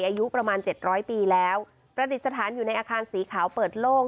อายุประมาณเจ็ดร้อยปีแล้วประดิษฐานอยู่ในอาคารสีขาวเปิดโล่ง